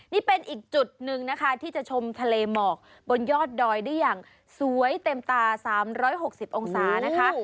นี่เป็นอีกจุดหนึ่งนะคะที่จะชมทะเลหมอกบนยอดดอยได้อย่างสวยเต็มตา๓๖๐องศานะคะ